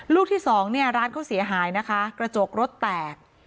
ลูกที่สองเนี่ยร้านเขาเสียหายนะคะกระจกรถแตก